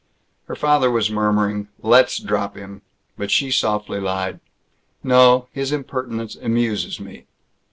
Her father was murmuring, "Let's drop him," but she softly lied, "No. His impertinence amuses me."